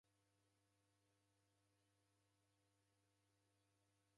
Ikwau silale dilo.